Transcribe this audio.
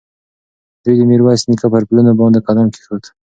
دوی د میرویس نیکه پر پلونو باندې قدم کېښود.